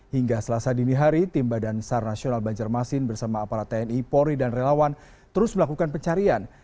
hingga selasa dini hari tim badan sar nasional banjarmasin bersama aparat tni polri dan relawan terus melakukan pencarian